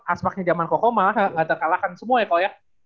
aspeknya zaman koko malah gak terkalah kan semua ya koya